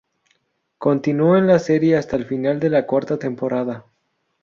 Continuó en la serie hasta el final de la cuarta temporada.